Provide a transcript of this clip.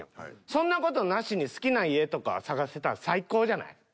そんな事なしに好きな家とか探せたら最高じゃない？